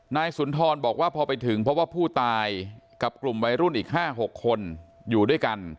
นายสุนทรบอกว่าพอไปถึงเพราะว่าผู้ตายกับกลุ่มวัยรุ่นอีก๕๖คนอยู่ด้วยกัน